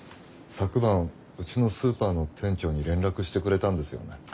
昨晩うちのスーパーの店長に連絡してくれたんですよね。